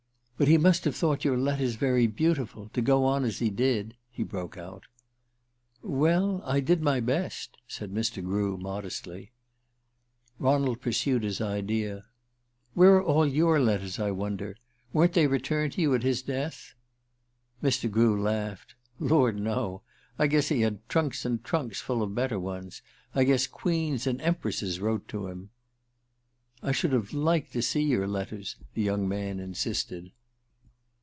"But he must have thought your letters very beautiful to go on as he did," he broke out. "Well I did my best," said Mr. Grew modestly. Ronald pursued his idea. "Where are all your letters, I wonder? Weren't they returned to you at his death?" Mr. Grew laughed. "Lord, no. I guess he had trunks and trunks full of better ones. I guess Queens and Empresses wrote to him." "I should have liked to see your letters," the young man insisted.